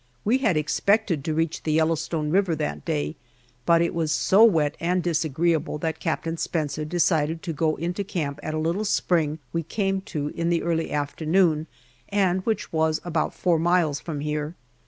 We had expected to reach the Yellowstone River that day, but it was so wet and disagreeable that Captain Spencer decided to go into camp at a little spring we came to in the early afternoon, and which was about four miles from here.